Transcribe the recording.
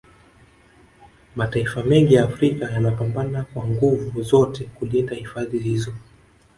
Mataifa mengi ya Afrika yanapambana kwa nguvu zote kulinda hifadhi hizo